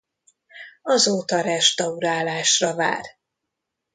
Azóta restaurálásra vár.